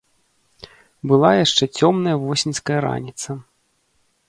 Была яшчэ цёмная восеньская раніца.